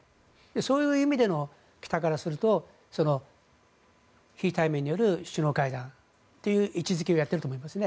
そういう意味での北からすると非対面による首脳会談という位置付けをやっていると思いますね。